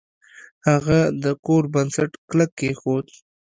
هغه د کور بنسټ کلک کیښود.